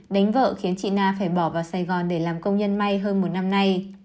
đánh vợ khiến chị na phải bỏ vào sài gòn để làm công nhân may hơn một năm nay